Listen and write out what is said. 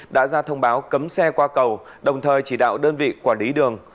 đã ra thông báo cấm xe qua cầu đồng thời chỉ đạo đơn vị quản lý đường